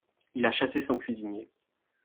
Il a chassé son cuisinier.